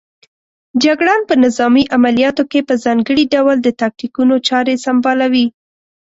جګړن په نظامي عملیاتو کې په ځانګړي ډول د تاکتیکونو چارې سنبالوي.